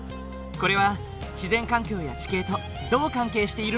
これは自然環境や地形とどう関係しているのだろう？